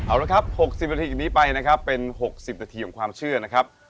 เอาละครับ๖๐นาทีจากนี้ไปนะครับเป็น๖๐นาทีของความเชื่อนะครับ